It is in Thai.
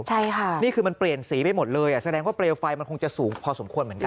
ใช่ค่ะนี่คือมันเปลี่ยนสีไปหมดเลยอ่ะแสดงว่าเปลวไฟมันคงจะสูงพอสมควรเหมือนกัน